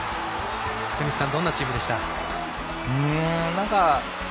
福西さん、どんなチームでしたか。